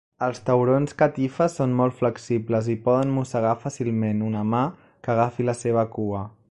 Els taurons catifa són molt flexibles i poden mossegar fàcilment una mà que agafi la seva cua.